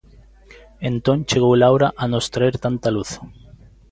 Entón chegou Laura a nos traer tanta luz.